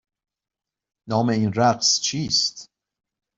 نام این رقص چیست؟